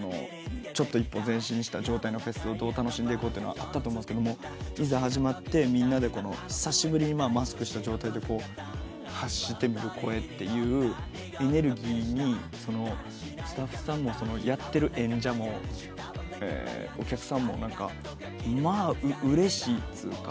ちょっと一歩前進した状態のフェスをどう楽しんでこうっていうのはあったと思うんですがいざ始まってみんなで久しぶりにマスクした状態で発してみる声っていうエネルギーにスタッフさんもやってる演者もお客さんもまあうれしいっつうか。